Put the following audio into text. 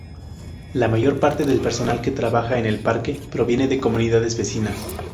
La mayor parte del personal que trabaja en el parque proviene de comunidades vecinas.